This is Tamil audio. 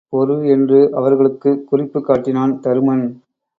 பொறு என்று அவர்களுக்குக் குறிப்புக் காட்டினான் தருமன்.